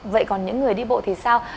vậy còn những người đi bộ thì sao